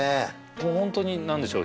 もうホントに何でしょう